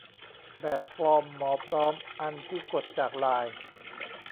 แบบฟอร์มหมอพร้อม อันที่กดจากไลน์